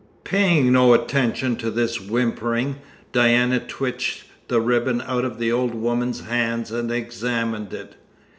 Paying no attention to this whimpering, Diana twitched the ribbon out of the old woman's hands and examined it.